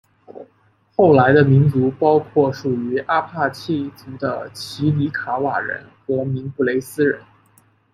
后来的民族包括属于阿帕契族的奇里卡瓦人和明布雷斯人。